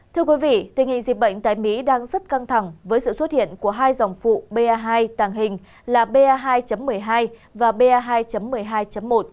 thưa quý vị tình hình dịch bệnh tại mỹ đang rất căng thẳng với sự xuất hiện của hai dòng phụ ba hai tàng hình là ba hai một mươi hai và ba hai một mươi hai một